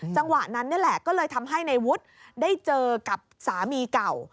จังหวะนั้นก็เลยทำให้นายวุฒิได้เจอกับสามีเก่า